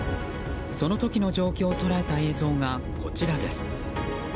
その時の状況を捉えた映像がこちらです。